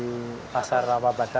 di pasar apa badan ada